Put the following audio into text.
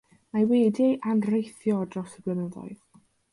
Mae wedi'i anrheithio dros y blynyddoedd.